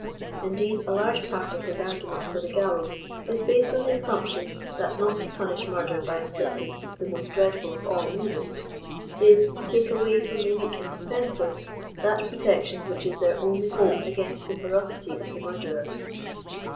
Indeed, a large part of his argnment for the gallows is based on the assumption, that not to punish murder by inflicting *' the most dreadful of all evils," is *' to take away from the weak and defenseless, that protection which is their only hope against the ferocity of the murderer."